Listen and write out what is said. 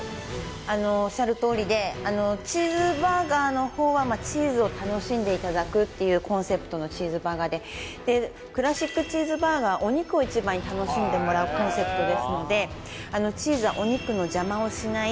あのおっしゃるとおりでチーズバーガーのほうはチーズを楽しんでいただくっていうコンセプトのチーズバーガーでクラシックチーズバーガーはお肉を一番に楽しんでもらうコンセプトですのでチーズはお肉の邪魔をしない